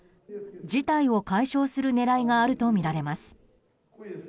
事態を解消する狙いがあるとみられます。